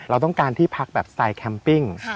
เราต้องการที่พักแบบสไตลแคมปิ้ง